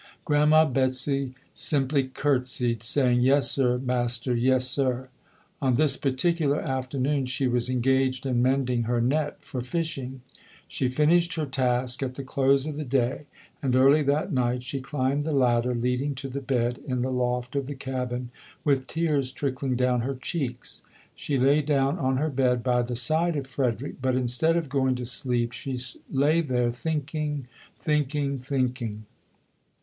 Grandma Betsy simply curtsied, saying, "Yes sir, Master, yes sir". On this particular afternoon she was engaged 14 ] UNSUNG HEROES in mending her net for fishing. She finished her task at the close of the day, and early that night she climbed the ladder leading to the bed in the loft of the cabin with tears trickling down her cheeks. She lay down on her bed by the side of Frederick, but instead of going to sleep she lay there thinking, thinking, thinking.